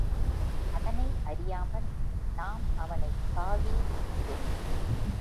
அதனை அறியாமல் நாம் அவனைப் பாவி என்கிறோம்.